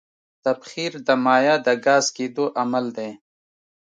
تبخیر د مایع د ګاز کېدو عمل دی.